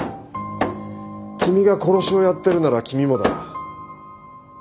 君が殺しをやってるなら君もだ。